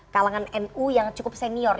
kalangan nu yang cukup senior